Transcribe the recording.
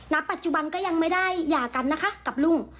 ปัจจุบันก็ยังไม่ได้หย่ากันนะคะกับลุง